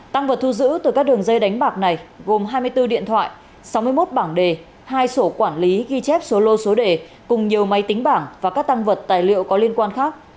tăng vật thu giữ từ các đường dây đánh bạc này gồm hai mươi bốn điện thoại sáu mươi một bảng đề hai sổ quản lý ghi chép số lô số đề cùng nhiều máy tính bảng và các tăng vật tài liệu có liên quan khác